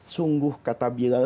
sungguh kata bilal